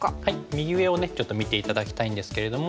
右上をちょっと見て頂きたいんですけれども。